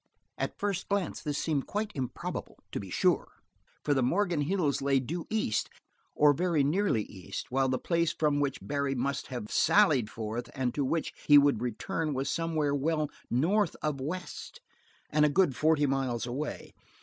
At first glance this seemed quite improbable, to be sure, for the Morgan Hills lay due east, or very nearly east, while the place from which Barry must have sallied forth and to which he would return was somewhere well north of west, and a good forty miles away.